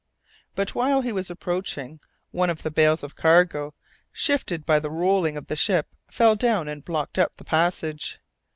But, while he was approaching, one of the bales of cargo, shifted by the rolling of the ship, fell down and blocked up the passage.